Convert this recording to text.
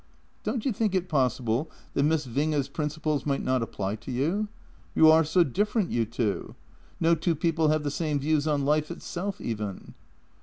" Don't you think it possible that Miss Winge's principles might not apply to you? You are so different, you two. No two people have the same views on life itself even."